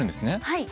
はい。